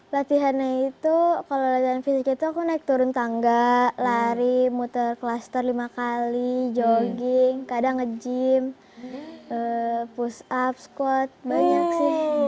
latihannya itu kalau latihan fisik itu aku naik turun tangga lari muter cluster lima kali jogging kadang nge gym push up squad banyak sih